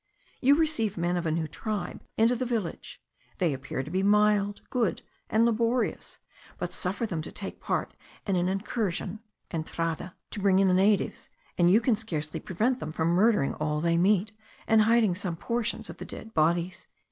You receive men of a new tribe into the village; they appear to be mild, good, and laborious; but suffer them to take part in an incursion (entrada) to bring in the natives, and you can scarcely prevent them from murdering all they meet, and hiding some portions of the dead bodies."